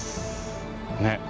ねっ。